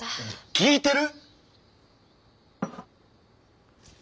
聞いてる？